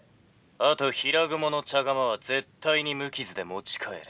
「あと平蜘蛛の茶釜は絶対に無傷で持ち帰れ」。